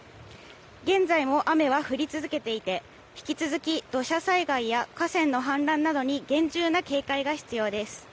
現在も雨は降り続けていて、引き続き土砂災害や河川の氾濫などに厳重な警戒が必要です。